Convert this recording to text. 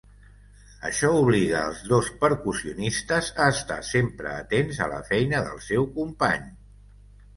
Això obliga els dos percussionistes a estar sempre atents a la feina del seu company.